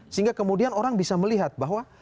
sehingga kemudian orang bisa melihat bahwa